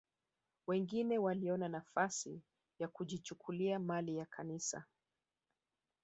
Wengine waliona nafasi ya kujichukulia mali ya Kanisa